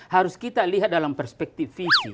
harus kita lihat dalam perspektif visi